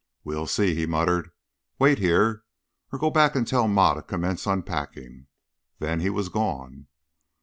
"We'll see!" he muttered. "Wait here or go back and tell Ma to commence unpacking." Then he was gone.